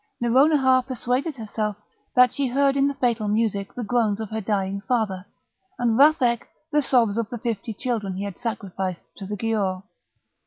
Nouronihar persuaded herself that she heard in the fatal music the groans of her dying father, and Vathek the sobs of the fifty children he had sacrificed to the Giaour.